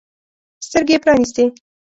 سترګې يې پرانیستې.